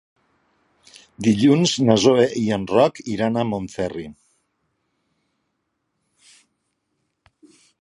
Dilluns na Zoè i en Roc iran a Montferri.